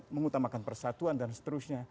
mengutamakan persatuan dan seterusnya